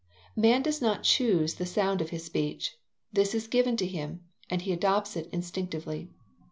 Man does not choose the sound of his speech. This is given to him and he adopts it instinctively.